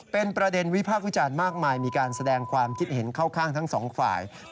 เป็นประเด็นวิพากษ์วิจารณ์มากมายมีการแสดงความคิดเห็นเข้าข้างทั้งสองฝ่าย